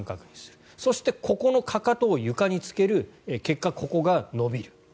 そしてここのかかとを床につける結果、ここが伸びる。